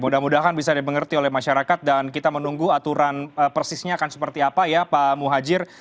mudah mudahan bisa dimengerti oleh masyarakat dan kita menunggu aturan persisnya akan seperti apa ya pak muhajir